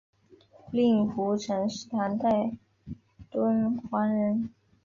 令狐澄是唐代敦煌人。